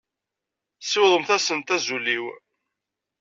Siwḍemt-asent azul-iw.